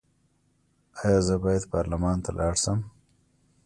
ایا زه باید پارلمان ته لاړ شم؟